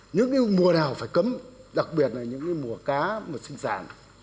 những mùa nào phải cấm đặc biệt là những mùa cá mùa sinh sản